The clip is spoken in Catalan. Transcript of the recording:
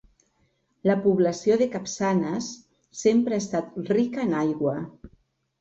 La població de Capçanes sempre ha estat rica en aigua.